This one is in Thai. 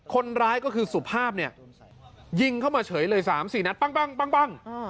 คนร้ายก็คือสุภาพเนี่ยยิงเข้ามาเฉยเลย๓๔นัดปั้ง